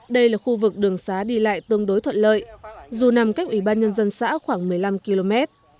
đây là khu vực đường xá đi lại tương đối thuận lợi dù nằm cách ủy ban nhân dân xã khoảng một mươi năm km